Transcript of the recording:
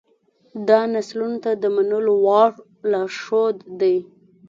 دا نسلونو ته د منلو وړ لارښود دی.